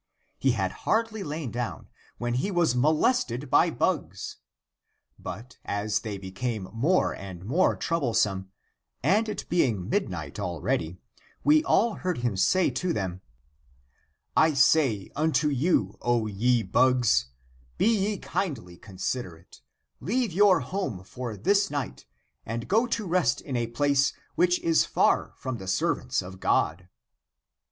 He had hardly lain down, when he was molested by bugs. But as they became more and more troublesome, and it being midnight already, we all heard him say to them, " I say unto you, O ye bugs, be ye kindly considerate ; leave your home for this night and go to rest in a place which is far from the servants of God